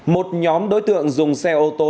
một nhóm đối tượng dùng xe ô tô